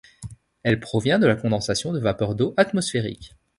Elle provient de la condensation de vapeur d'eau atmosphérique.